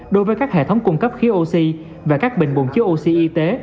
đối với các hệ thống cung cấp khí oxy và các bệnh bụng chứa oxy y tế